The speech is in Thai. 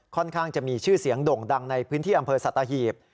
ข้างจะมีชื่อเสียงด่งดังในพื้นที่อำเภอสัตหีบ